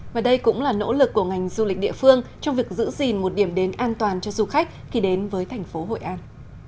và đây cũng là nỗ lực của ngành du lịch địa phương trong việc giữ gìn một điểm đến an toàn cho du khách khi đến với thành phố hội an